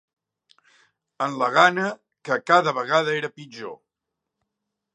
En la gana, que cada vegada era pitjor